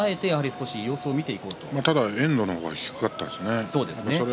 ただ遠藤の方が低かったですね